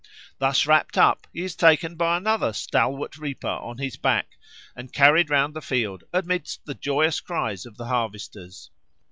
Thus wrapt up he is taken by another stalwart reaper on his back, and carried round the field amidst the joyous cries of the harvesters.